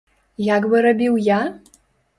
Як бы рабіў я?